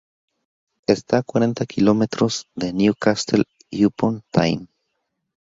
Está a cuarenta kilómetros de Newcastle Upon Tyne.